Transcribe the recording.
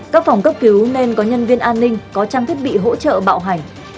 các phòng cấp cứu nên có nhân viên an ninh có trang thiết bị hỗ trợ bạo hành